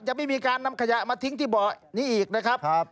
ไม่มีการนำขยะมาทิ้งที่เบาะนี้อีกนะครับ